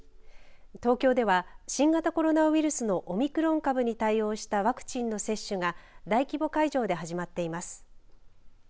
東京では、新型コロナウイルスのオミクロン株に対応したワクチンの接種が大規模会場で始まっています。